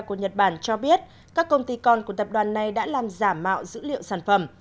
của nhật bản cho biết các công ty con của tập đoàn này đã làm giả mạo dữ liệu sản phẩm